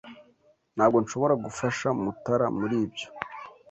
Ntabwo nshobora gufasha Mutara muri ibyo